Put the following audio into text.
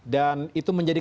dan itu menjadi